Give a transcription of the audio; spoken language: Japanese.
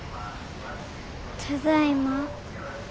ただいま。